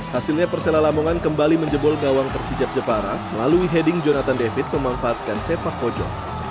hasilnya persela lamongan kembali menjebol gawang persijab jepara melalui heading jonathan david memanfaatkan sepak pojok